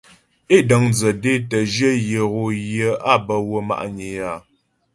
É dəŋdzə dé tə́ jyə̂ yə ghom yé á bə wə́ ma'nyə é áa.